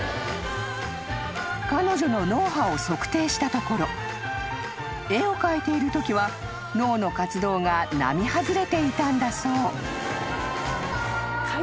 ［彼女の脳波を測定したところ絵を描いているときは脳の活動が並外れていたんだそう］